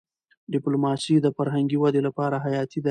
ډيپلوماسي د فرهنګي ودي لپاره حياتي ده.